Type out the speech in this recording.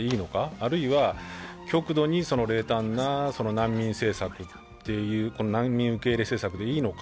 あるいは極度に冷淡な難民受け入れ政策でいいのか。